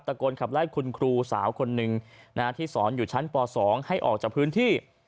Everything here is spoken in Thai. โกนขับไล่คุณครูสาวคนหนึ่งที่สอนอยู่ชั้นป๒ให้ออกจากพื้นที่